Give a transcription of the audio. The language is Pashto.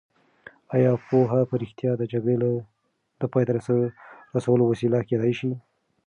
ایا پوهنه په رښتیا د جګړې د پای ته رسولو وسیله کېدای شي؟